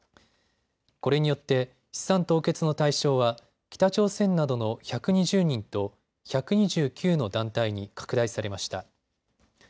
これによって資産凍結の対象は北朝鮮などの１２０人と１２９の団体に拡大されました。